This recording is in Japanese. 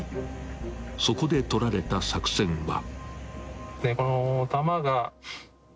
［そこで取られた作戦は］